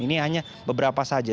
ini hanya beberapa saja